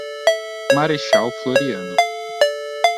Marechal Floriano